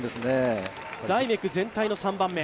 ザイメク、全体の３番目。